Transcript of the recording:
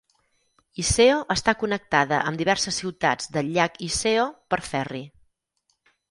Iseo està connectada amb diverses ciutats del llac Iseo per ferri.